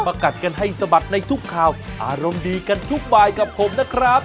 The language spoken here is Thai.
กัดกันให้สะบัดในทุกข่าวอารมณ์ดีกันทุกบายกับผมนะครับ